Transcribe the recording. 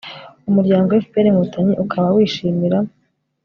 umuryango fpr - inkotanyi ukaba wishimira